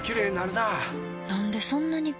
なんでそんなに